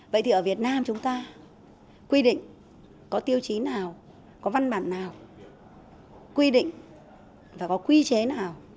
vậy thì ở việt nam chúng ta quy định có tiêu chí nào có văn bản nào quy định và có quy chế nào